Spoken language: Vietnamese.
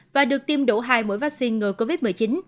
và được tiêm đủ hai mũi vaccine người covid một mươi chín